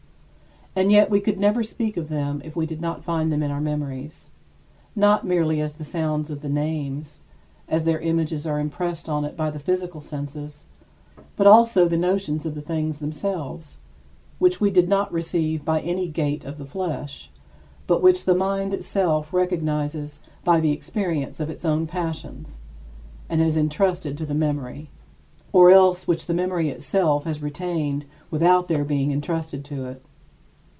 And yet we could never speak of them if we did not find them in our memories, not merely as the sounds of the names, as their images are impressed on it by the physical senses, but also the notions of the things themselves which we did not receive by any gate of the flesh, but which the mind itself recognizes by the experience of its own passions, and has entrusted to the memory; or else which the memory itself has retained without their being entrusted to it.